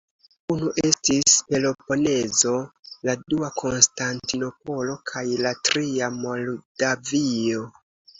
Unu estis Peloponezo, la dua Konstantinopolo kaj la tria Moldavio.